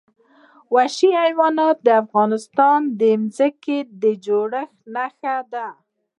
وحشي حیوانات د افغانستان د ځمکې د جوړښت نښه ده.